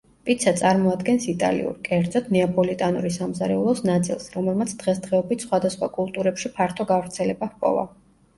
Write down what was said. პიცა წარმოადგენს იტალიურ, კერძოდ, ნეაპოლიტანური სამზარეულოს ნაწილს, რომელმაც დღესდღეობით სხვადასხვა კულტურებში ფართო გავრცელება ჰპოვა.